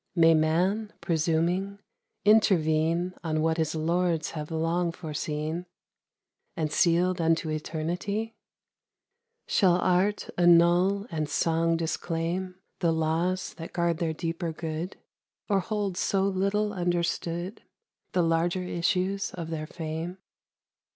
May Man, presuming, intervene On what his Lords have long foreseen And sealed unto eternity ? 10 DEDICATION. Shall Art annul and Song disclaim The laws that guard their deeper good ? Or hold so little understood The larger issues of their fame?